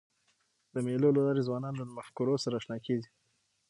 د مېلو له لاري ځوانان له مفکورو سره اشنا کېږي.